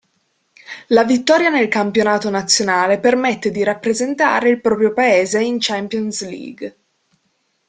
La vittoria nel campionato nazionale permette di rappresentare il proprio Paese in Champions League.